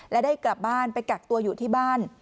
และได้กลับบ้านไปกักตัวอยู่ที่บ้าน